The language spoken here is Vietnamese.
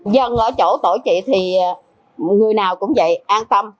dân ở chỗ tổ trị thì người nào cũng vậy an tâm